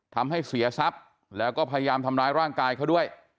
ทำให้เสียทรัพย์แล้วก็พยายามทำร้ายร่างกายเขาด้วย